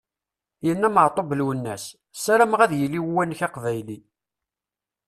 Yenna Meɛtub Lwennas: "sarameɣ ad yili uwanek aqbayli!"